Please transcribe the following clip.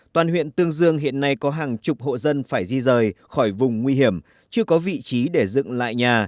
toàn huyện tương dương hiện nay có hàng chục hộ dân phải di rời khỏi vùng nguy hiểm chưa có vị trí để dựng lại nhà